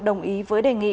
đồng ý với đề nghị